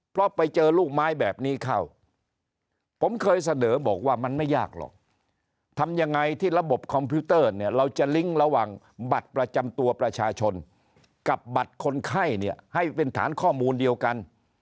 เพราะไปเจอลูกไม้แบบนี้เข้าผมเคยเสนอบอกว่ามันไม่ยากหรอกทำยังไงที่ระบบคอมพิวเตอร์เนี่ยเราจะลิงก์ระหว่างบัตรประจำตัวประชาชนกับบัตรคนไข้เนี่ยให้เป็นฐานข้อมูลเดียวกัน